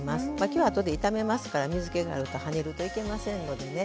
今日はあとで炒めますから水けがあるとはねるといけませんのでね。